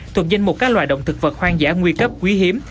thuộc danh mục các loài động thực vật hoang dã nguy cấp quý hiếm